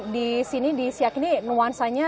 di sini di siak ini nuansanya